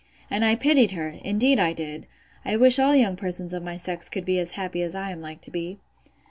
—And I pitied her.—Indeed I did!—I wish all young persons of my sex could be as happy as I am like to be.